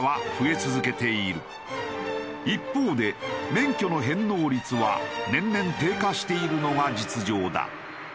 一方で免許の返納率は年々低下しているのが実情だ。